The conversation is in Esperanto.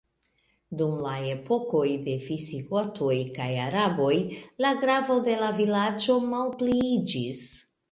Dum la epokoj de visigotoj kaj araboj, la gravo de la vilaĝo malpliiĝis.